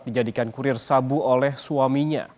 dijadikan kurir sabu oleh suaminya